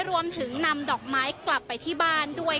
รวมถึงนำดอกไม้กลับไปที่บ้านด้วย